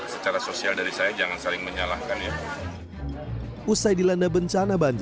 secara sosial dari saya jangan saling menyalahkan